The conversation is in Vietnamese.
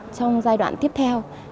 trong giai đoạn tiếp theo